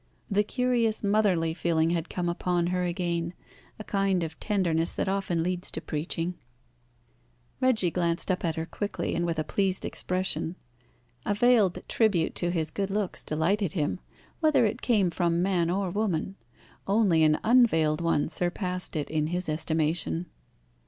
The curious motherly feeling had come upon her again, a kind of tenderness that often leads to preaching. Reggie glanced up at her quickly, and with a pleased expression. A veiled tribute to his good looks delighted him, whether it came from man or woman. Only an unveiled one surpassed it in his estimation.